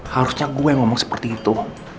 harusnya gue ngomong seperti itu